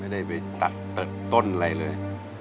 ไม่ได้ไปตัดต้นอะไรเลย